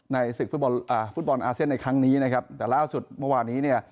ในฝึกฟุตบอลอาเซียนอีกครั้งนี้นะครับแต่ล่าสุดเมื่อวานี้